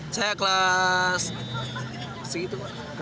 saya kelas segitu pak